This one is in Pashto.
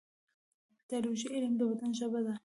د پیتالوژي علم د بدن ژبه ده.